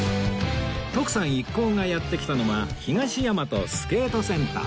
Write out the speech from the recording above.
徳さん一行がやって来たのは東大和スケートセンター